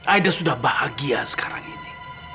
aida sudah bahagia sekarang ini